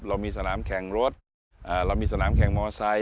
เรามีสนามแข่งรถเรามีสนามแข่งมอไซค